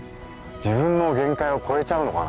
自分の限界を超えちゃうのかな？